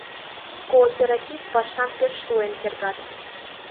Кооператив пашам пеш шуэн тергат.